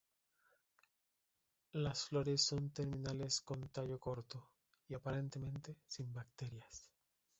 Los flores son terminales con tallo corto y aparentemente sin brácteas.